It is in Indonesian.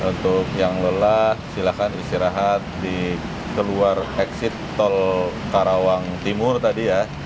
untuk yang lelah silakan istirahat di keluar exit tol karawang timur tadi ya